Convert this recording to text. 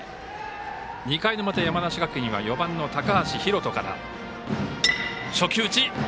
２回の表、山梨学院は４番の高橋海翔から。